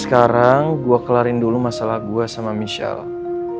sekarang gue kelarin dulu masalah gue sama michelle